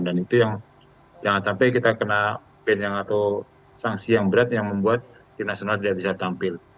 dan itu yang jangan sampai kita kena ban atau sanksi yang berat yang membuat timnas sener tidak bisa tampil